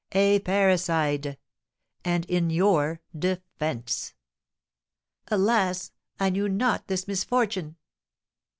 A parricide! And in your defence!" "Alas! I knew not this misfortune."